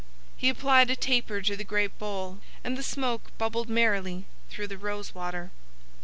He applied a taper to the great bowl, and the smoke bubbled merrily through the rose water.